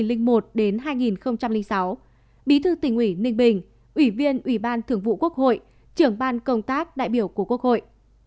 bí thư tỉnh ủy ninh bình ủy viên ủy ban thường vụ quốc hội trưởng ban công tác đại biểu của quốc hội